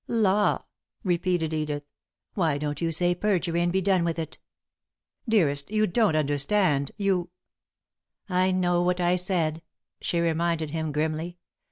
"Law!" repeated Edith. "Why don't you say perjury, and be done with it?" "Dearest, you don't understand. You " "I know what I said," she reminded him, grimly.